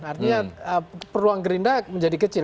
artinya peluang gerindra menjadi kecil